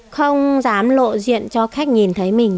không dám lộ diện cho khách nhìn thấy mình